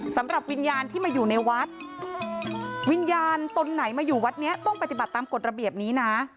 สำหรับวิญญาณที่มาอยู่ในวัดวิญญาณตนไหนมาอยู่วัดนี้ต้องปฏิบัติตามกฎระเบียบนี้นะ